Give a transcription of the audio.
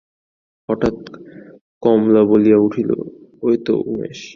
হঠাৎ কমলা বলিয়া উঠিল, ঐ তো উমেশ!